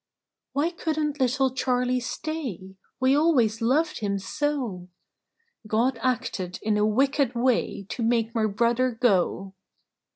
" Why couldn't little Charley stay ? We always loved him so! God acted in a wicked way, To make my brother go